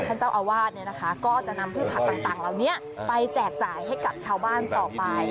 ท่านเจ้าอาวาสก็จะนำผู้ผักต่างไปแจกจ่ายให้กับชาวบ้านต่อไป